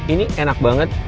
ini enak banget